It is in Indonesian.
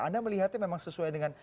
anda melihatnya memang sesuai dengan